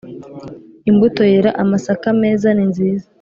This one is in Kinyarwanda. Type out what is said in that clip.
imbuto yera amasaka meza ninziza